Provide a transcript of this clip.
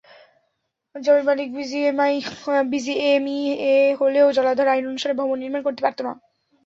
জমির মালিক বিজিএমইএ হলেও জলাধার আইন অনুসারে ভবন নির্মাণ করতে পারত না।